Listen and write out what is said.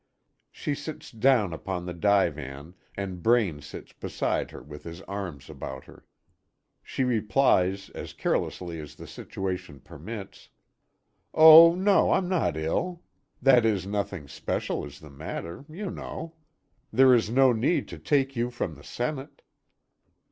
She sits down upon the divan, and Braine sits beside her with his arms about her. She replies as carelessly as the situation permits: "Oh, no, I'm not ill that is, nothing special is the matter, you know. There is no need to take you from the Senate."